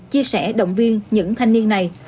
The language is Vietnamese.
chia sẻ động viên những thanh niên này